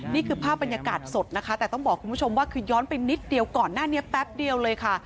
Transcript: นี่คือภาพบรรยากาศสดนะคะแต่ต้องบอกคุณผู้ชมว่าคือย้อนไปนิดเดียวก่อนหน้านี้แป๊บเดียวเลยค่ะ